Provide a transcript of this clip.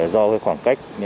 do khoảng cách